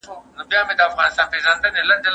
که نجلۍ باسواده وي او هلک بيسواده وي، دونه مشکل نلري